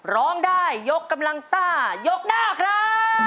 ร้องได้ยกกำลังซ่ายกหน้าครับ